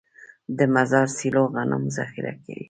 د مزار سیلو غنم ذخیره کوي.